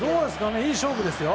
いい勝負ですよ。